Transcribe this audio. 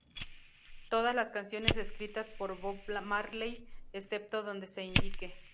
Todas las canciones escritas por Bob Marley excepto donde se indique.